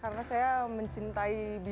karena saya mencintai judo